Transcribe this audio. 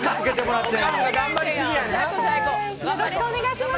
よろしくお願いします。